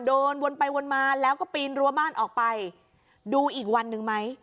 เดินวนไปวนมาแล้วก็ปีนรั้วบ้านออกไปดูอีกวันหนึ่งไหม